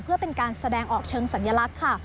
เพื่อเป็นการแสดงออกเชิงสัญลักษณ์ค่ะ